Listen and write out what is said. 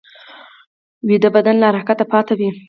ویده بدن له حرکته پاتې وي